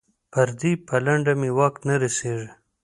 پر دې پلنډه مې واک نه رسېږي.